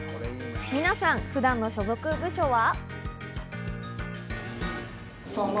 皆さん普段の所属部署は。